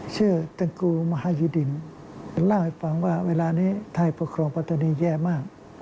ชื่อตระกูมหาิดินเล่าให้ฟังว่าเวลานี้ไทยปกครองปัตตานีแย่มาก